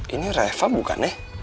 ini reva bukannya